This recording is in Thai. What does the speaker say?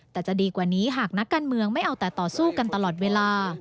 แต่จะดีกว่านี้หากนักการเมืองไม่เอาแต่ต่อสู้กันตลอดเวลา